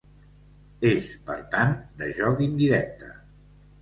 És, per tant, de joc indirecte.